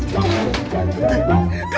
kamu hamil beb